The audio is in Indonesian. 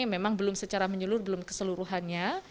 memang belum secara menyeluruh belum keseluruhannya